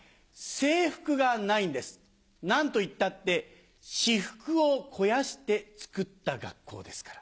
制服がないんです何といったってシフクを肥やしてつくった学校ですから。